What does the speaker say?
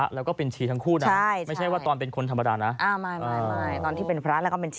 แล้วก็เป็นชีนี้นะคะ